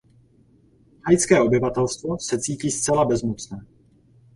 Haitské obyvatelstvo se cítí zcela bezmocné.